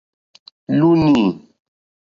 Lúúnî.